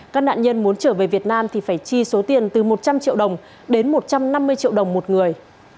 các nạn nhân muốn trở về việt nam thì phải chi số tiền từ một trăm linh triệu đồng đến một trăm năm mươi triệu đồng một người